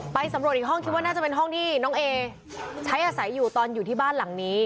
สำรวจอีกห้องคิดว่าน่าจะเป็นห้องที่น้องเอใช้อาศัยอยู่ตอนอยู่ที่บ้านหลังนี้